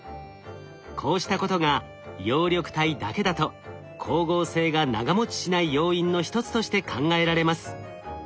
こうしたことが葉緑体だけだと光合成が長もちしない要因の１つとして考えられます。